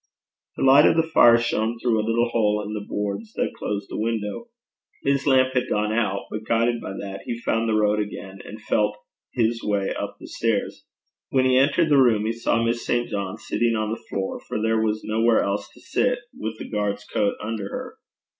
The light of the fire shone through a little hole in the boards that closed the window. His lamp had gone out, but, guided by that, he found the road again, and felt his way up the stairs. When he entered the room he saw Miss St. John sitting on the floor, for there was nowhere else to sit, with the guard's coat under her.